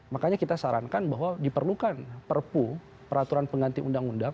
makanya kita sarankan bahwa diperlukan perpu peraturan pengganti undang undang